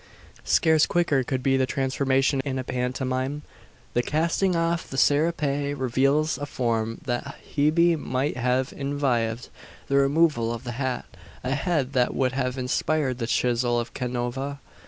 Scarce quicker could be the transformation in a pantomime. The casting off the serape reveals a form that Hebe might have envied; the removal of the hat, a head that would have inspired the chisel of Canova!